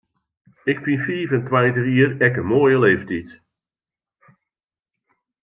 Ik fyn fiif en tweintich jier ek in moaie leeftyd.